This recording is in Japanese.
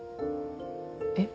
えっ？